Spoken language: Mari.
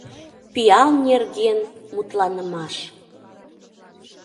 ПИАЛ НЕРГЕН МУТЛАНЫМАШ